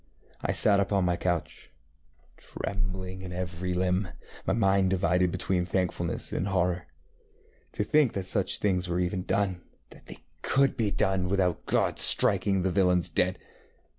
I sat up on my couch, trembling in every limb, my mind divided between thankfulness and horror. To think that such things were ever doneŌĆöthat they could be done without God striking the villains dead.